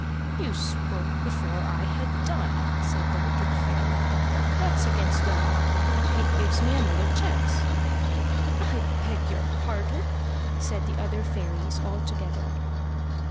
"You spoke before I had done," said the wicked fairy. "That's against the law. It gives me another chance." "I beg your pardon," said the other fairies, all together.